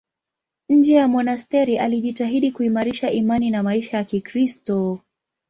Nje ya monasteri alijitahidi kuimarisha imani na maisha ya Kikristo.